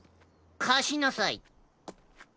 かしなさい。